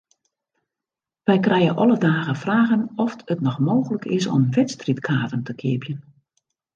Wy krije alle dagen fragen oft it noch mooglik is om wedstriidkaarten te keapjen.